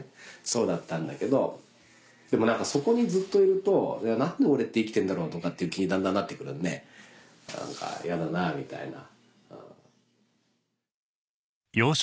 そうだったんだけどでも何かそこにずっといると何で俺って生きてんだろうとかっていう気にだんだんなって来るんで何か嫌だなぁみたいな。